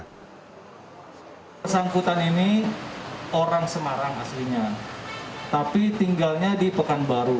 bersangkutan ini orang semarang aslinya tapi tinggalnya di pekanbaru